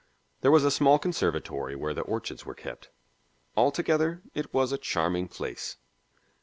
There was a small conservatory where the orchids were kept. Altogether, it was a charming place.